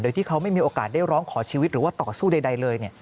โดยที่เขาไม่มีโอกาสได้ร้องขอชีวิตหรือว่าต่อสู้ใดเลย